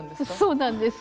そうなんです。